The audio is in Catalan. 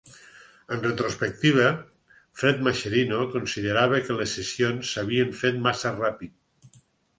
En retrospectiva, Fred Mascherino considerava que les sessions s'havien fet massa ràpid.